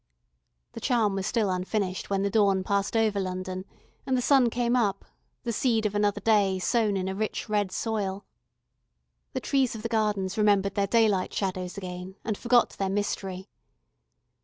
The charm was still unfinished when the dawn passed over London, and the sun came up, the seed of another day, sown in a rich red soil. The trees of the Gardens remembered their daylight shadows again, and forgot their mystery.